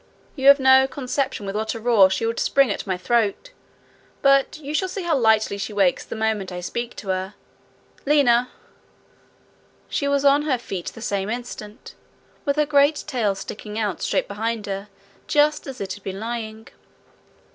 You have no conception with what a roar she would spring at my throat. But you shall see how lightly she wakes the moment I speak to her. Lina!' She was on her feet the same instant, with her great tail sticking out straight behind her, just as it had been lying.